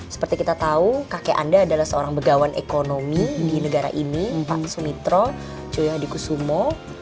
seperti kita tahu kakek anda adalah seorang begawan ekonomi di negara ini pak sumitro joyo hadi kusumo